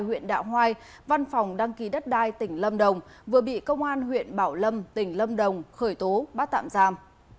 huyện đạo hoai văn phòng đăng ký đất đai tỉnh lâm đồng vừa bị công an huyện bảo lâm tỉnh lâm đồng khởi tố bắt tạm giam